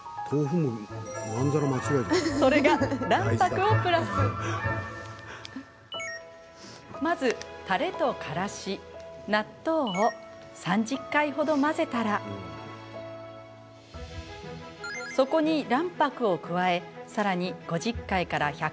それがまずたれとからし納豆を３０回ほど混ぜたらそこに卵白を加えさらに５０回から１００回ほど混ぜます。